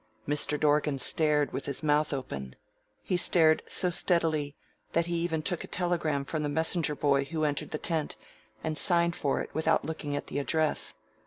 Mr. Dorgan stared with his mouth open. He stared so steadily that he even took a telegram from the messenger boy who entered the tent, and signed for it without looking at the address.